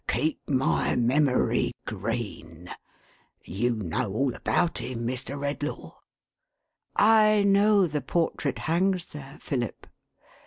keep my memory green !' You know all about him, Mr. Redlaw ?"" I know the portrait hangs there, Philip."